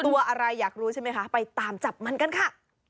ตัวอะไรอยากรู้ใช่ไหมคะไปตามจับมันกันค่ะ